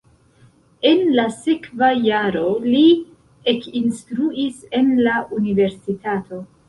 En la sekva jaro li ekinstruis en la universitato.